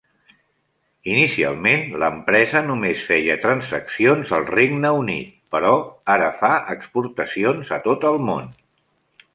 Inicialment, l'empresa només feia transaccions al Regne Unit, però ara fa exportacions a tot el món.